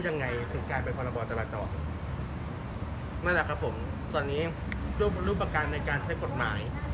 นั่นแหละครับผมตอนนี้รูปอาการในการใช้กฎหมาย